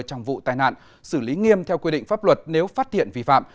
trong vụ tai nạn xử lý nghiêm theo quy định pháp luật nếu phát hiện vi phạm